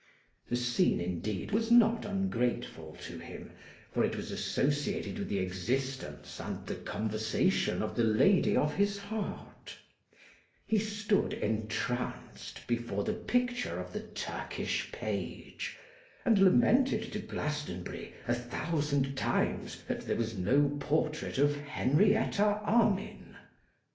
The scene indeed was not ungrateful to him, for it was associated with the existence and the conversation of the lady of his heart: he stood entranced before the picture of the Turkish page, and lamented to Glastonbury a thousand times that there was no portrait of Henrietta Armine.